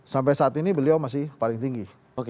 sampai saat ini beliau masih paling tinggi